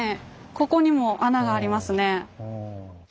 ここにも穴がありますね。